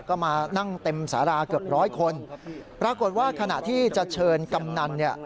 ก็มานั่งเต็มสาราเกือบร้อยคนปรากฏว่าขณะที่จะเชิญกำนันเนี่ย